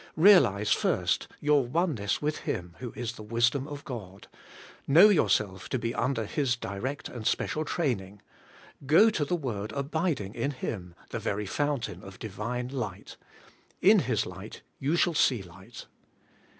Eealize first your oneness with Him who is the wisdom of God; know yourself to be under His direct and special training; go to the Word abiding in Him, the very fountain of Divine light, — in His light you shall see light.